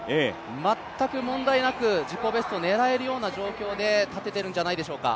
全く問題なく自己ベストを狙えるような状況で立ててるんじゃないでしょうか。